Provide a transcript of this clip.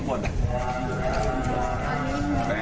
เมื่อวานแบงค์อยู่ไหนเมื่อวาน